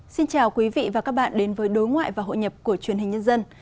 xin chào quý vị và các bạn đến với đối ngoại và hội nhập của truyền hình nhân dân